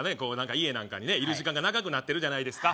家なんかにねいる時間が長くなってるじゃないですか